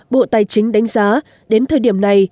bộ tài chính đánh giá đến thời điểm này